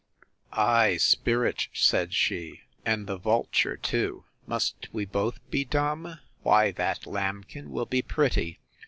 —Ay! spirit, said she; and the vulture too! Must we both be dumb? Why that, lambkin, will be pretty!